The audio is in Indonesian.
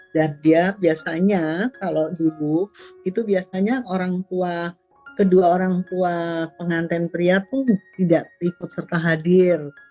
dan dia biasanya kalau jubuh itu biasanya orang tua kedua orang tua pengantin pria pun tidak ikut serta hadir